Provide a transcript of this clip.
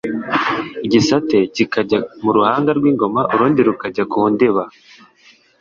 igisate kikajya mu ruhanga rw'ingoma urundi rukajya ku ndiba.